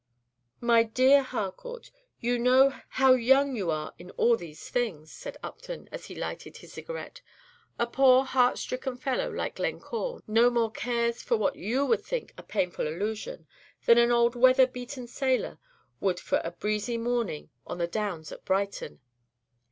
"My dear Harcourt, how young you are in all these things," said Upton, as he lighted his cigarette. "A poor heart stricken fellow, like Glencore, no more cares for what you would think a painful allusion, than an old weather beaten sailor would for a breezy morning on the Downs at Brighton.